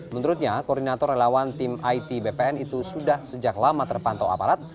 menurutnya koordinator relawan tim it bpn itu sudah sejak lama terpantau aparat